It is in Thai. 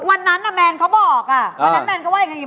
วันนั้นแมนเขาบอกอ่ะวันนั้นแมนเขาว่ายังไงอยู่